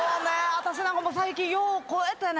私なんか最近よう肥えてね